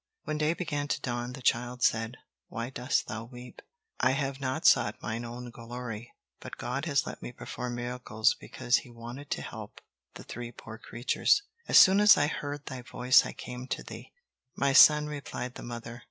When day began to dawn, the child said: "Why dost thou weep? I have not sought mine own glory, but God has let me perform miracles because He wanted to help the three poor creatures. As soon as I heard thy voice, I came to thee." "My son," replied the mother.